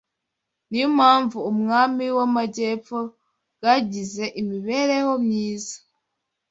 Ni yo mpamvu ubwami bw’amajyepfo bwagize imibereho myiza